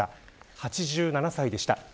８７歳でした。